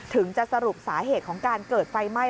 จะสรุปสาเหตุของการเกิดไฟไหม้